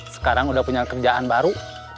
sekarang udah punya kerjaan baru